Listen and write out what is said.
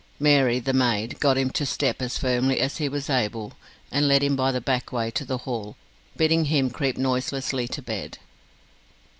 Mary, the maid, got him to step as firmly as he was able, and led him by the back way to the hall, bidding him creep noiselessly to bed.